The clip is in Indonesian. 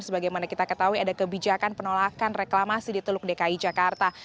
sebagaimana kita ketahui ada kebijakan penolakan reklamasi di teluk dki jakarta